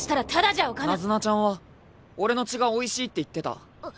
ナズナちゃんは俺の血がおいしいって言ってた。